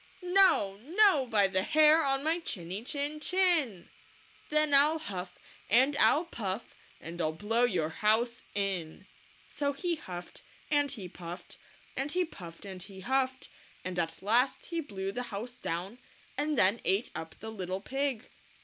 "No, No, by the Hair on my Chinny Chin Chin !" "Then I'll huff, and I'll puff, and I'll blow your house in!" So he huffed, and he puffed, and he puffed and he huffed, and at last he blew the house down, and then ate up the little pig.